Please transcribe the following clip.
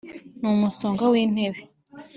n' umusonga w' intimba